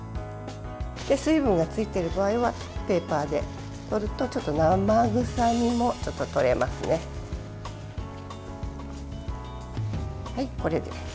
水分がついてる場合はペーパーで取ると生臭みもちょっと取れますね。